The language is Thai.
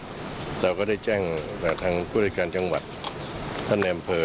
เราก็ได้แจ้งทางบริการจังหวัดท่านแอนด์เผลอ